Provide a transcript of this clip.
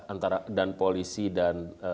antara dan polisi dan